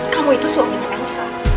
kamu itu suaminya elsa